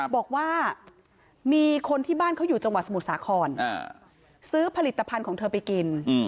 บอกว่ามีคนที่บ้านเขาอยู่จังหวัดสมุทรสาครซื้อผลิตภัณฑ์ของเธอไปกิน